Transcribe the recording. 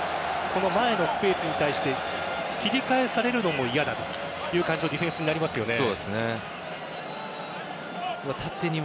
前のスペースに対して切り返されるのも嫌だという感じのディフェンスになりますよね。